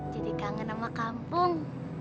jadi kangen sama kampung